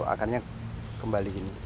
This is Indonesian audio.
akarnya kembali ke sini